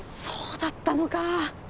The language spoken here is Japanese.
そうだったのか